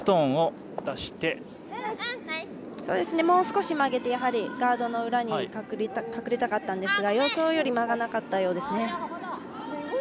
もう少し曲げて、やはりガードの裏に隠れたかったんですが予想より間がなかったようですね。